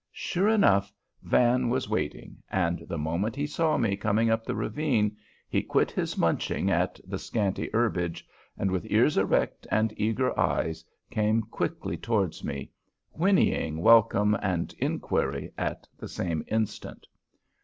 Sure enough, Van was waiting, and the moment he saw me coming up the ravine he quit his munching at the scanty herbage, and, with ears erect and eager eyes, came quickly towards me, whinnying welcome and inquiry at the same instant.